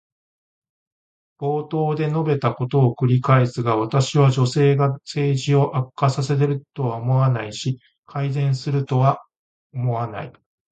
冒頭で述べたことを繰り返すが、私は女性が政治を悪化させるとは思わないし、改善するとも思わない。